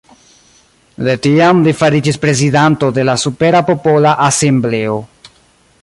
De tiam li fariĝis prezidanto de la Supera Popola Asembleo.